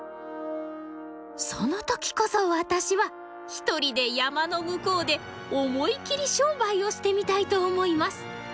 その時こそ私は一人で山の向こうで思い切り商売をしてみたいと思います。